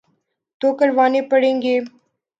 تو کروانے پڑیں گے۔